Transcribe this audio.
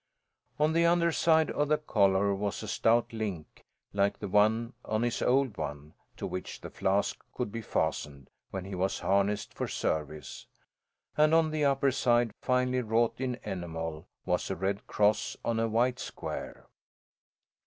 On the under side of the collar was a stout link like the one on his old one, to which the flask could be fastened when he was harnessed for service, and on the upper side, finely wrought in enamel, was a red cross on a white square.